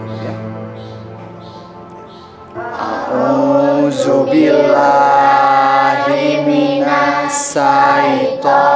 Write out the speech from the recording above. waalaikumsalam warahmatullahi wabarakatuh